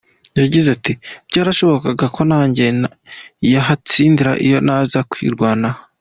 Yagize ati, "byarashobokaga ko nanjye yahantsinda iyo ntaza kwirwanaho.